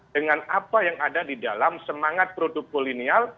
dengan apa yang ada di dalam semangat produk kolenial